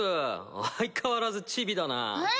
相変わらずチビだな。